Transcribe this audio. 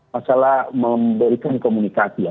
masalah memberikan komunikasi ya